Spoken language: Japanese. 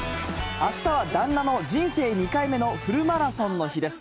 あしたは旦那の人生２回目のフルマラソンの日です。